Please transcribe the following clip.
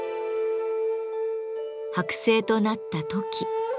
剥製となったトキ。